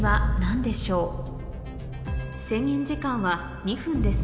制限時間は２分です